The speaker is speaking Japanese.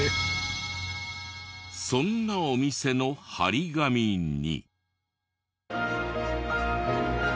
そんなお店の貼り紙に。